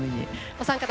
お三方